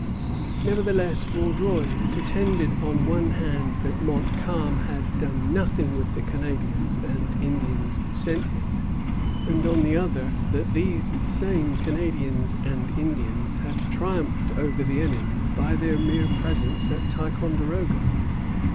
Nevertheless Vaudreuil pretended on one hand that Montcalm had done nothing with the Canadians and Indians sent him, and on the other that these same Canadians and Indians had triumphed over the enemy by their mere presence at Ticonderoga.